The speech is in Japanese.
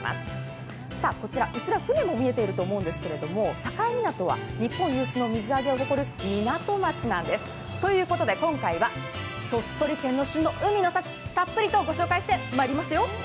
こちら後ろ、船も見えていると思うんですけれども、境港は日本有数の水揚げを誇る港町なんです。ということで今回は鳥取県の旬の海の幸、たっぷりとご紹介してまいります。